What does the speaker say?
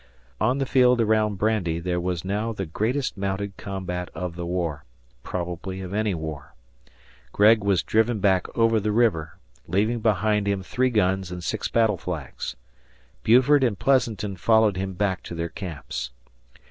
On the field around Brandy there was now the greatest mounted combat of the war probably of any war. Gregg was driven back over the river, leaving behind him three guns and six battle flags. Buford and Pleasanton followed him back to their camps.